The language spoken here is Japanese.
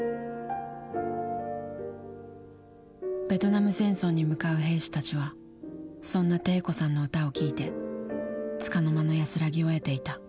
ベトナム戦争に向かう兵士たちはそんな悌子さんの歌を聴いてつかの間の安らぎを得ていた。